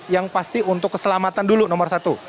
yang pasti untuk keselamatan dulu nomor satu